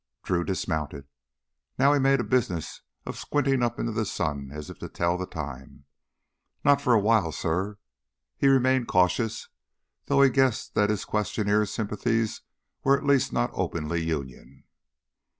Drew dismounted. Now he made a business of squinting up at the sun as if to tell time. "Not for a while, suh." He remained cautious; though he guessed that his questioner's sympathies were at least not openly Union.